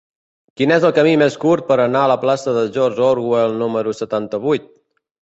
Quin és el camí més curt per anar a la plaça de George Orwell número setanta-vuit?